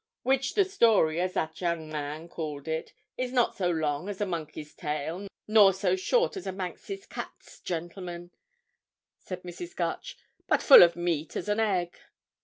"Which the story, as that young man called it, is not so long as a monkey's tail nor so short as a Manx cat's, gentlemen," said Mrs. Gutch; "but full of meat as an egg.